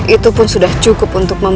itu pun sudah cukup untuk memperbaiki